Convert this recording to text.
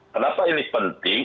kenapa ini penting